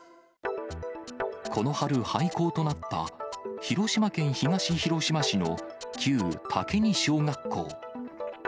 この春、廃校となった広島県東広島市の旧竹仁小学校。